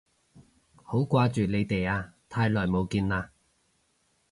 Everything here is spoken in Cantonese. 好掛住你哋啊，太耐冇見喇